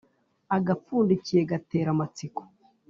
Agapfundikiye gatera amatsiko.